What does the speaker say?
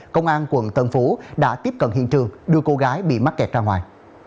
công an quận tân phú đã tiếp cận hiện trường đưa cô gái bị mắc kẹt ra ngoài